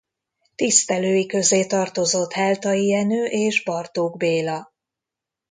Tisztelői közé tartozott Heltai Jenő és Bartók Béla.